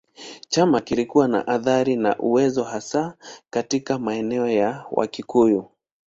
Chama kilikuwa na athira na uwezo hasa katika maeneo ya Wakikuyu.